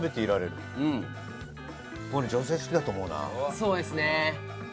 そうですね。